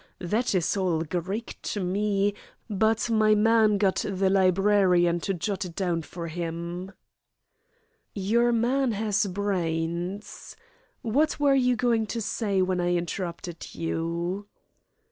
That is all Greek to me, but my man got the librarian to jot it down for him." "Your man has brains. What were you going to say when I interrupted you?"